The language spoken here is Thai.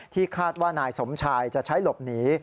คาดว่านายสมชายจะใช้หลบหนี